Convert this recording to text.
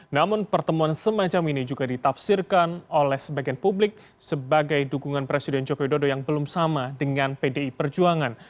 namun pertemuan semacam ini juga ditafsirkan oleh sebagian publik sebagai dukungan presiden jokowi dodo yang belum sama dengan pdi perjuangan